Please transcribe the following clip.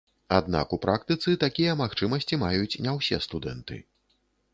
Аднак у практыцы такія магчымасці маюць не ўсе студэнты.